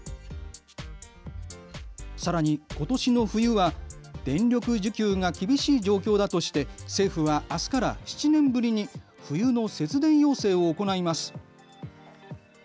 さらに、ことしの冬は電力需給が厳しい状況だとして政府はあすから７年ぶりに冬の節電要請を行います。